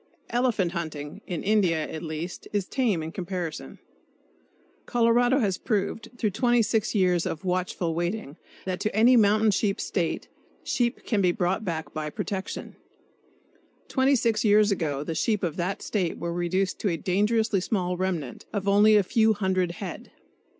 Elephant hunting (in India, at least) is tame in comparison. Colorado has proved, through 26 years of watchful waiting, that to any mountain sheep State, sheep can be brought back by protection. Twenty six years ago the sheep of that State were reduced to a dangerously small remnant, of only a few hundred head.